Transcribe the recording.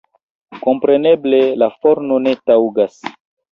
Kompreneble la forno ne taŭgas.